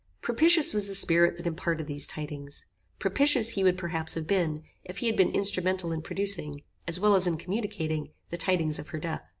Propitious was the spirit that imparted these tidings. Propitious he would perhaps have been, if he had been instrumental in producing, as well as in communicating the tidings of her death.